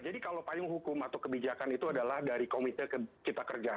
jadi kalau payung hukum atau kebijakan itu adalah dari komite cipta kerja